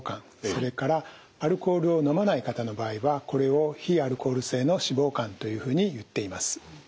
それからアルコールを飲まない方の場合はこれを非アルコール性の脂肪肝というふうに言っています。